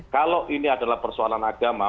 kalau ini adalah persoalan agama